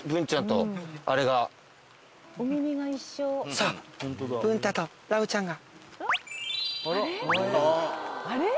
さあ文太とラブちゃんが。